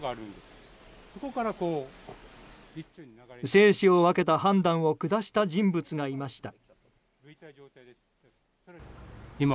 生死を分けた判断を下した人物がいました。